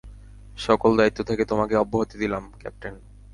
সকল দায়িত্ব থেকে তোমাকে অব্যাহতি দিলাম, ক্যাপ্টেন।